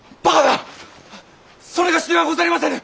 それがしではござりませぬ！